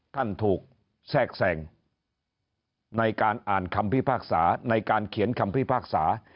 ท่านถูกแทรกแสงในการอ่านคำพิพากษาในการเขียนคำพิพากษา